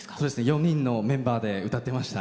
４人のメンバーで歌ってました。